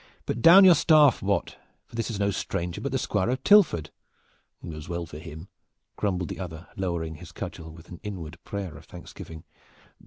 Put down your staff, Wat, for this is no stranger, but the Squire of Tilford." "As well for him," grumbled the other, lowering his cudgel with an inward prayer of thanksgiving.